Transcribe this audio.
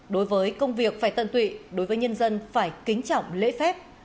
đối với công việc phải tận tụy đối với nhân dân phải kính trọng lễ phép